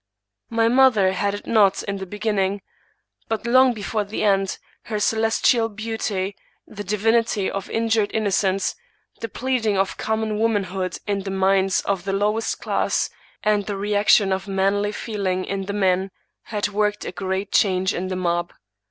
My mother had it not in the beginning ; but, long before the end, her celestial beauty, the divinity of injured innocence, the pleading of commoa womanhood in the minds of the lowest class, and the reac tion of manly feeling in the men, had worked a great change in the mob.